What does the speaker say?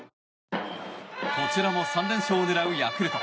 こちらも３連勝を狙うヤクルト。